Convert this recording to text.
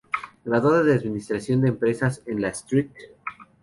Graduada de Administración de Empresas en la St.